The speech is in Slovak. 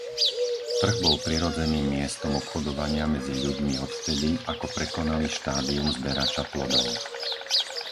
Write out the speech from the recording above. Trh bol prirodzeným miestom obchodovania medzi ľuďmi odvtedy, ako prekonali štádium zberača plodov.